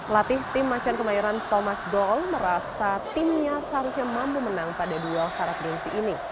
latih tim macan kemahiran thomas goll merasa timnya seharusnya mampu menang pada duel sarapdinsi ini